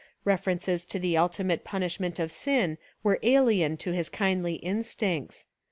References to the ultimate punish ment of sin were alien to his kindly instincts.